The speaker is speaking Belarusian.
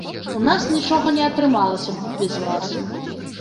У нас нічога не атрымалася б без вас.